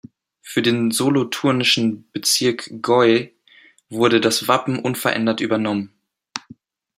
Für den solothurnischen Bezirk Gäu wurde das Wappen unverändert übernommen.